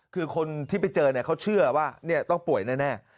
คือคนที่ไปเจอเขาเชื่อว่าต้องป่วยแน่